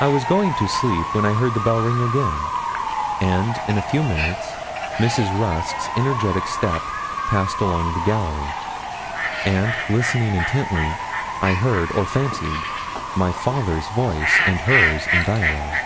I was going to sleep when I heard the bell ring again; and, in a few minutes, Mrs. Rusk's energetic step passed along the gallery; and, listening intently, I heard, or fancied, my father's voice and hers in dialogue.